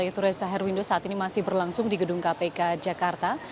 yaitu reza herwindo saat ini masih berlangsung di gedung kpk jakarta